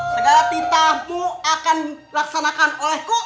segala titahmu akan dilaksanakan olehku